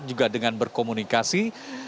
juga dengan berkomunikasi